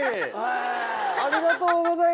ありがとうございます。